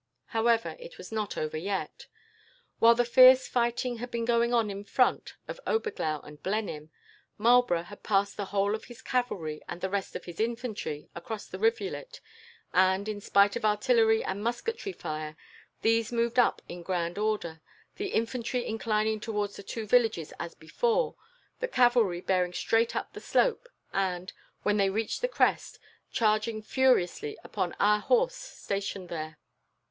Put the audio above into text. "However, it was not over yet. While the fierce fighting had been going on in front of Oberglau and Blenheim, Marlborough had passed the whole of his cavalry and the rest of his infantry across the rivulet, and, in spite of artillery and musketry fire, these moved up in grand order, the infantry inclining towards the two villages as before, the cavalry bearing straight up the slope, and, when they reached the crest, charging furiously upon our horse stationed there.